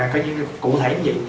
coi như cụ thể gì